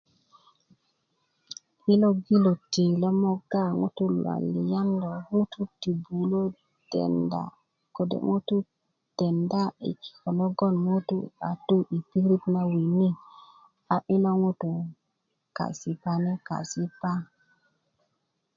yilo giloti lo mogga ŋutu' luwaliyan lo ŋutu' ti bulö denda kode' ŋutu' denda yi kiko' logonŋ ŋutu' a ko tu yi pirit na wini a yilo ŋutu kasipani' kasipa